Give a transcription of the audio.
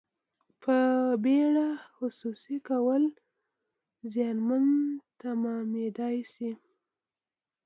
په بیړه خصوصي کول زیانمن تمامیدای شي.